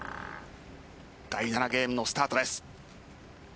第７ゲームのスタートです。